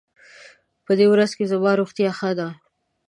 په دې ورځو کې زما روغتيا ښه ده.